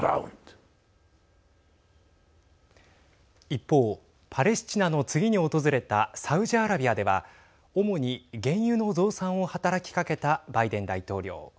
一方、パレスチナの次に訪れたサウジアラビアでは主に原油の増産を働きかけたバイデン大統領。